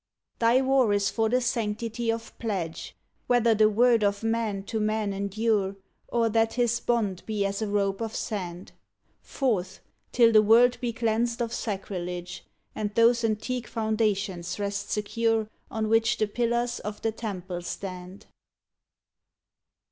Thy war is for the sanctity of pledge Whether the word of man to man endure, Or that his bond be as a rope of sand. Forth ! till the world be cleansed of sacrilege, And those antique foundations rest secure On which the pillars of the Temple stand